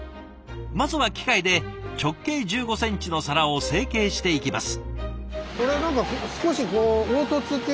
まずは機械で直径１５ｃｍの皿を成形していきます。